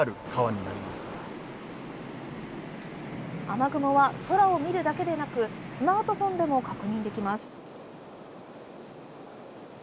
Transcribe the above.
雨雲は空を見るだけでなくスマートフォンでも確認できます。